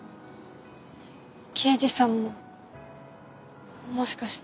刑事さんももしかして。